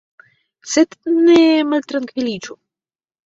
Sed ne maltrankviliĝu.